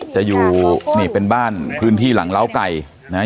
จะอยู่นี่เป็นบ้านพื้นที่หลังล้าวไก่นะฮะ